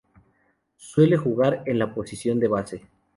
Suele jugar en la posición de base.